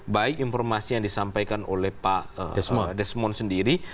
baik informasi yang disampaikan oleh pak desmond sendiri